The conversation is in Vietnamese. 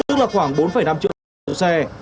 tức là khoảng bốn năm triệu ô tô xe